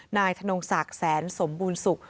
นายธนงศักดิ์แสนสมบูรณสุข